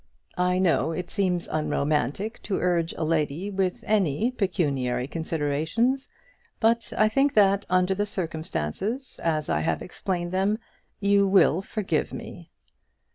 I know it seems unromantic to urge a lady with any pecuniary considerations, but I think that under the circumstances, as I have explained them, you will forgive me.